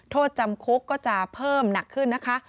โทษจำคุกก็จะเพิ่มหนักขึ้นนะคะ